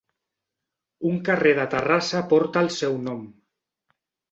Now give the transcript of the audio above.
Un carrer de Terrassa porta el seu nom.